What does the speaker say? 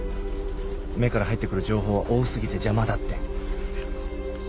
目から入ってくる情報は多過ぎて邪魔だって。